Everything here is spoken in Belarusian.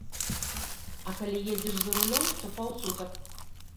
А калі едзеш за рулём, то паўсутак.